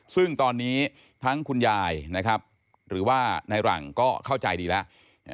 ซึ่งตอนนี้ทั้งคุณยายนะครับหรือว่าในหลังก็เข้าใจดีแล้ว